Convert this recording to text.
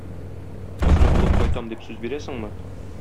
Кызны алып кайтам дип сүз бирәсеңме?